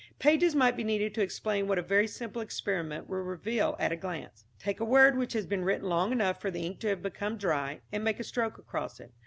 Pages might be needed to explain what a very simple experiment will reveal at a glance. Take a word which has been written long enough for the ink to have become dry, and make a stroke across it.